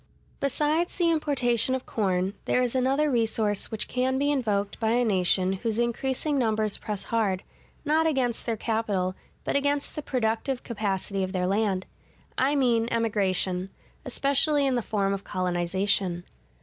Besides the importation of corn, there is another resource which can be invoked by a nation whose increasing numbers press hard, not against their capital, but against the productive capacity of their land: I mean Emigration, especially in the form of Colonization.